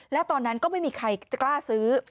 แล้วตอนนั้นก็ไม่มีใครกล้าซื้อ